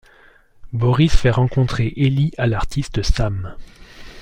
Boris fait rencontrer Heli à l'artiste Sam.